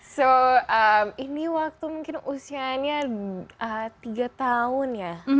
jadi ini waktu mungkin usianya tiga tahun